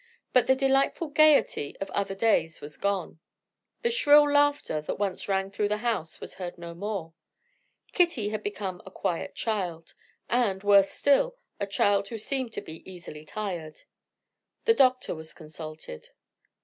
But the delightful gayety of other days was gone; the shrill laughter that once rang through the house was heard no more. Kitty had become a quiet child; and, worse still, a child who seemed to be easily tired. The doctor was consulted.